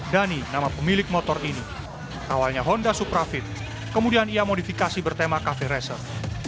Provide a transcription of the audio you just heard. dan ini nama pemilik motor ini awalnya honda supra fit kemudian ia modifikasi bertema cafe racer